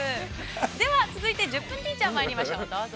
では、続いて「１０分ティーチャー」まいりましょう、どうぞ。